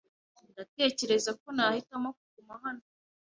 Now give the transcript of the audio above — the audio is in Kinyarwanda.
Ndatekereza ko nahitamo kuguma hano.